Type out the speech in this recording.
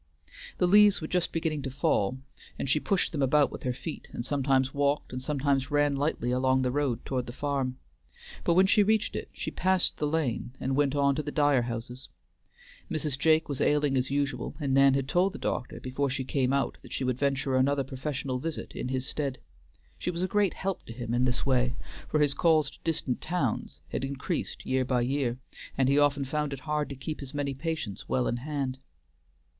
The leaves were just beginning to fall, and she pushed them about with her feet, and sometimes walked and sometimes ran lightly along the road toward the farm. But when she reached it, she passed the lane and went on to the Dyer houses. Mrs. Jake was ailing as usual, and Nan had told the doctor before she came out that she would venture another professional visit in his stead. She was a great help to him in this way, for his calls to distant towns had increased year by year, and he often found it hard to keep his many patients well in hand.